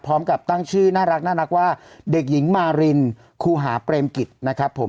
พร้อมกับตั้งชื่อน่ารักว่าเด็กหญิงมารินครูหาเปรมกิจนะครับผม